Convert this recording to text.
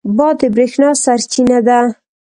باد د برېښنا سرچینه ده.